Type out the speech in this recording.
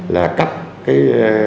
là cấp cái